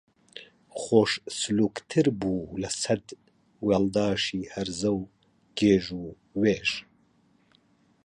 خۆش سلووکتر بوو لە سەد وێڵداشی هەرزە و گێژ و وێژ